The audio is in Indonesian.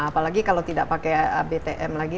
apalagi kalau tidak pakai btm lagi